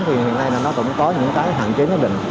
thì hiện nay nó cũng có những hạn chế nhất định